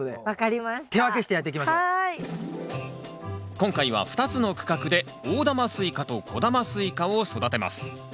今回は２つの区画で大玉スイカと小玉スイカを育てます。